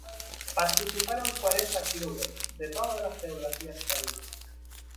Participaron cuarenta clubes de toda la geografía española.